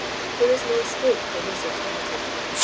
There is no escape from this alternative.